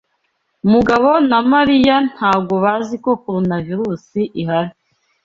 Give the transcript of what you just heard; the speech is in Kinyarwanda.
Mugabo na Mariya ntago baziko Coronavirusi ihari.